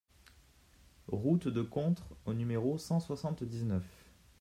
Route de Contres au numéro cent soixante-dix-neuf